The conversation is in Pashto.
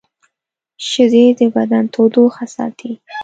شیدې د بدن تودوخه ساتي